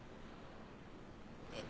えっ？